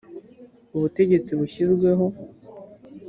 ubutegetsi bushyizweho.